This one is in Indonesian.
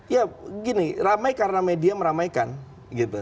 ya gini ramai karena media meramaikan gitu